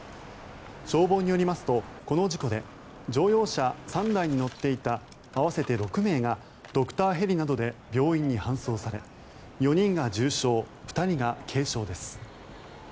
消防によりますとこの事故で乗用車３台に乗っていた合わせて６人がドクターヘリなどで病院に搬送され４人が重傷、２人が軽傷です。